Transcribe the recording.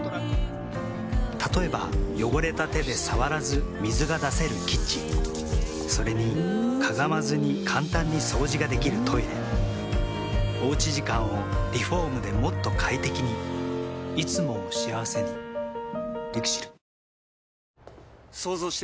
例えば汚れた手で触らず水が出せるキッチンそれにかがまずに簡単に掃除ができるトイレおうち時間をリフォームでもっと快適にいつもを幸せにＬＩＸＩＬ。